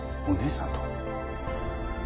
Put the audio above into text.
お姉さんと？